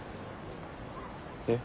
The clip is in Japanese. えっ？